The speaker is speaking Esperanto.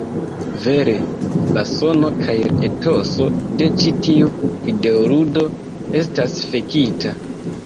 Vere, la sono kaj la etoso de ĉi tiu videoludo estas fekita.